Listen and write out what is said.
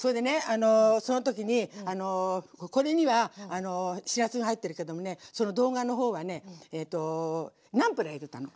あのその時にこれにはしらすが入ってるけどもねその動画のほうはねナンプラー入れたの。